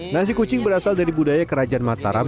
nasi kucing berasal dari budaya kerajaan mataram